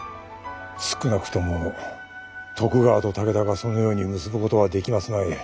少なくとも徳川と武田がそのように結ぶことはできますまい。